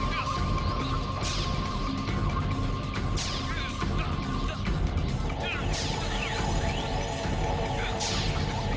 nanti dov ku pakai minum air diem rakan worry untukmu nanti aire